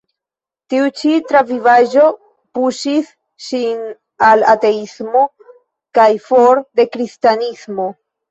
Tiu ĉi travivaĵo puŝis ŝin al ateismo kaj for de Kristanismo.